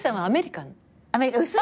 アメリカン。